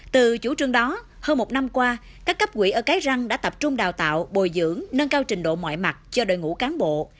từ chủ trương đó hơn một năm qua các cấp quỹ ở cái răng đã tập trung đào tạo bồi dưỡng nâng cao trình độ mọi mặt cho đội ngũ cán bộ